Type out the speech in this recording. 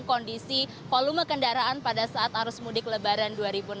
kondisi volume kendaraan pada saat arus mudik lebaran dua ribu enam belas